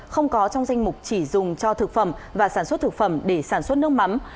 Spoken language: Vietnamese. không có trong danh mục chỉ dùng cho thực phẩm và sản xuất thực phẩm để sản xuất nước mắm